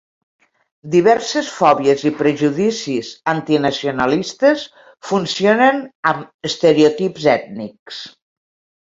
Diverses fòbies i prejudicis antinacionalistes funcionen amb estereotips ètnics.